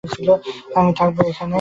আমি থাকবো এখানে।